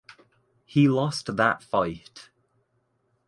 He lost that fight.